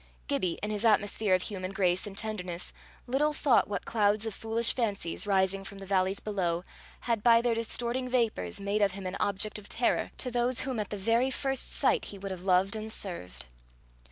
Gibbie, in his atmosphere of human grace and tenderness, little thought what clouds of foolish fancies, rising from the valleys below, had, by their distorting vapours, made of him an object of terror to those whom at the very first sight he would have loved and served.